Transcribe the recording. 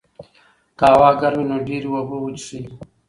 که هوا ګرمه وي، نو ډېرې اوبه وڅښئ.